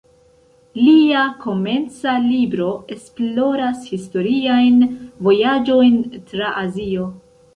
Lia komenca libro esploras historiajn vojaĝojn tra Azio.